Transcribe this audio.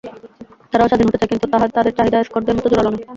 তারাও স্বাধীন হতে চায়, কিন্তু তাদের চাহিদা স্কটদের মতো জোরালো নয়।